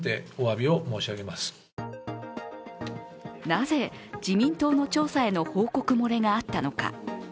なぜ自民党の調査への報告漏れがあったのか。